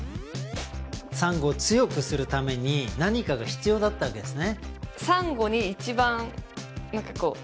サンゴを強くするために何かが必要だったわけですね